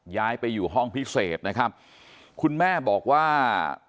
ย้ายไปอยู่ห้องพิเศษนะครับคุณแม่บอกว่า